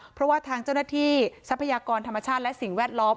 เพราะว่าทางเจ้าหน้าที่ทรัพยากรธรรมชาติและสิ่งแวดล้อม